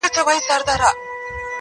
د نورو هغې نيمه د انا دا يوه نيمه.